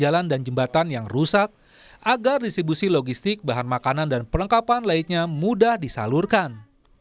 jalan dan jembatan yang rusak agar distribusi logistik bahan makanan dan perlengkapan lainnya mudah disalurkan